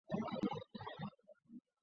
随后王承恩也吊死于旁边的海棠树上。